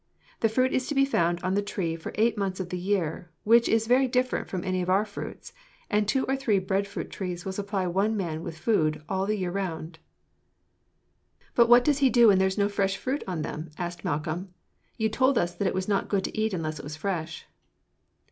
The fruit is to be found on the tree for eight months of the year which is very different from any of our fruits and two or three bread fruit trees will supply one man with food all the year round." "Put what does he do when there is no fresh fruit on them?" asked Malcolm. "You told us that it was not good to eat unless it was fresh."